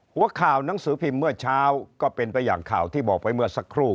หัวข่าวหนังสือพิมพ์เมื่อเช้าก็เป็นไปอย่างข่าวที่บอกไปเมื่อสักครู่